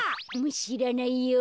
しらないよ。